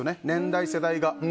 年代、世代が。